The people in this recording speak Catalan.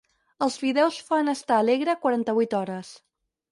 Els fideus fan estar alegre quaranta-vuit hores.